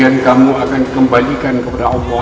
nama yang hasilku